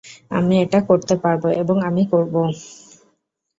আমি এটা করতে পারবো, এবং আমি করবো।